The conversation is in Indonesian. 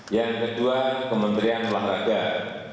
yang kedua kementerian pelanggar